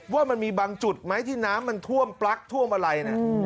ว่ามันมีบางจุดไหมที่น้ำมันท่วมปลั๊กท่วมอะไรนะ